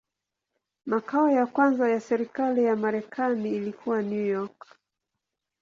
Makao ya kwanza ya serikali ya Marekani ilikuwa New York.